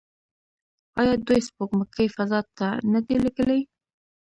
آیا دوی سپوږمکۍ فضا ته نه دي لیږلي؟